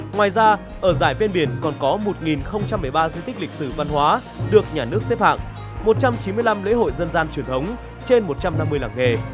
ngoài ra ở dài ven biển còn có một một mươi ba di tích lịch sử văn hóa được nhà nước xếp hạng một trăm chín mươi năm lễ hội dân gian truyền thống trên một trăm năm mươi làng nghề